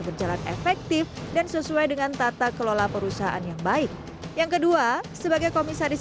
berjalan efektif dan sesuai dengan tata kelola perusahaan yang baik yang kedua sebagai komisaris